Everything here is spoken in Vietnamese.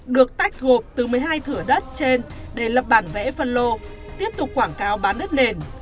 được tách thuộc từ một mươi hai thửa đất trên để lập bản vẽ phân lô tiếp tục quảng cáo bán đất nền